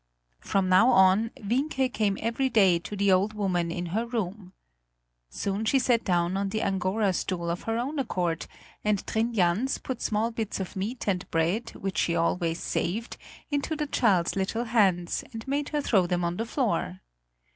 From now on Wienke came every day to the old woman in her room. Soon she sat down on the Angora stool of her own accord, and Trin Jans put small bits of meat and bread which she always saved into the child's little hands, and made her throw them on the floor.